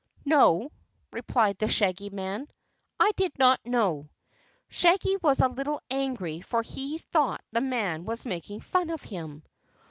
"No," replied the Shaggy Man, "I didn't know." Shaggy was a little angry for he thought the man was making fun of him.